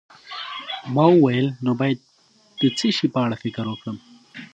ما وویل: نو بیا باید د څه شي په اړه فکر وکړم؟